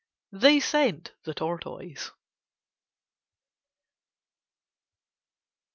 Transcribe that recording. They sent the Tortoise.